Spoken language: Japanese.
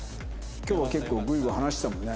今日は結構グイグイ話してたもんね。